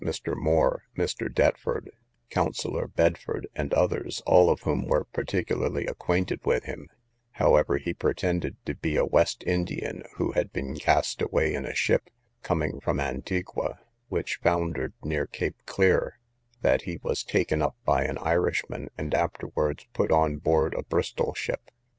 Mr. More, Dr. Deptford, Counsellor Bedford, and others, all of whom were particularly acquainted with him; however, he pretended to be a West Indian who had been cast away in a ship, coming from Antigua, which foundered behind Cape Clear; that he was taken up by an Irishman, and afterwards put on board a Bristol ship.